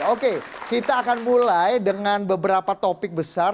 oke kita akan mulai dengan beberapa topik besar